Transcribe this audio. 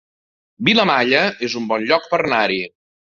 Vilamalla es un bon lloc per anar-hi